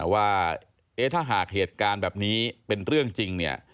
ว่าถ้าหากเหตุการณ์แบบนี้เป็นเรื่องจริงเนี่ย